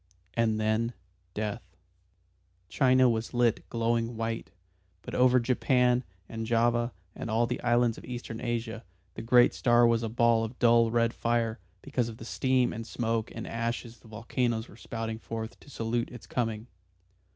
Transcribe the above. And then death. China was lit glowing white, but over Japan and Java and all the islands of Eastern Asia the great star was a ball of dull red fire because of the steam and smoke and ashes the volcanoes were spouting forth to salute its coming.